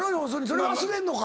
それ忘れんのか？